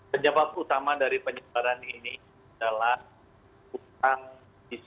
penyebab utama dari penyebaran ini adalah hutang